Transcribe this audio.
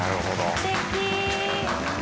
すてき。